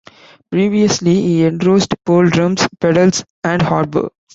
Previously, he endorsed Pearl drums, pedals and hardware.